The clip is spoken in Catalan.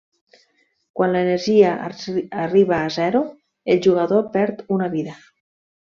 Quan l'energia arriba a zero, el jugador perd una vida.